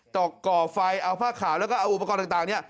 ก่อไฟเอาผ้าขาวแล้วก็เอาอุปกรณ์ต่างเนี่ย